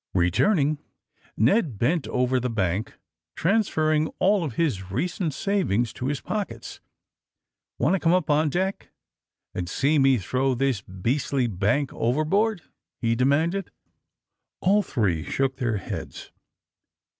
Eeturning, Ned bent over the bank, transfer ring all of his recent savings to his pockets. *^Want to come up on deck and see me throw this beastly bank overboard?" he demanded. AND THE SMTJGGLEKS 163 All three shook their heads.